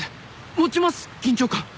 持ちます緊張感。